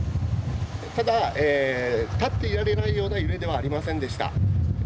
ただ、立っていられないような揺れではありませんでした。